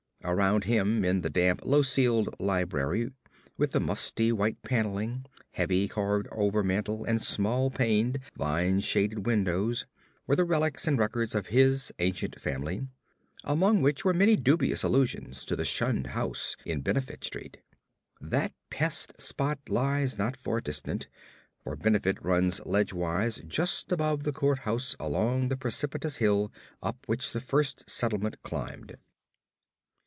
Around him in the damp, low ceiled library with the musty white panelling, heavy carved overmantel and small paned, vine shaded windows, were the relics and records of his ancient family, among which were many dubious allusions to the shunned house in Benefit Street. That pest spot lies not far distant for Benefit runs ledgewise just above the court house along the precipitous hill up which the first settlement climbed.